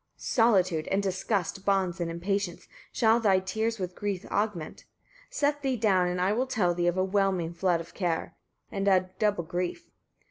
29. Solitude and disgust, bonds and impatience, shall thy tears with grief augment. Set thee down, and I will tell thee of a whelming flood of care, and a double grief.